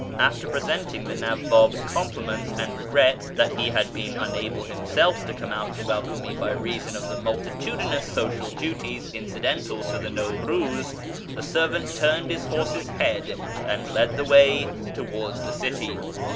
After presenting the Nawwab's compliments and regrets that he had been un able himself to come out to welcome me by reason of the multitudinous social duties incidental to the Naw n'iz, the servant turned his horse's head and led the way towards the city.